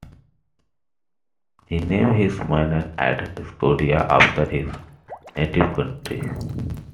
He named his manor at Scotia after his native country.